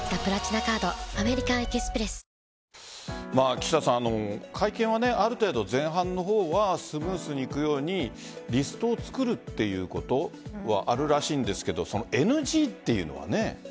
岸田さん会見は、ある程度、前半の方はスムーズにいくようにリストを作るっていうことはあるらしいんですがＮＧというのはね。